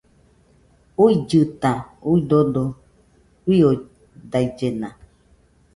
Uillɨta, uidodo fiodaillena